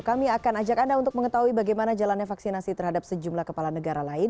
kami akan ajak anda untuk mengetahui bagaimana jalannya vaksinasi terhadap sejumlah kepala negara lain